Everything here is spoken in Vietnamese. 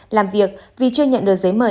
làm việc vì chưa nhận được giấy mời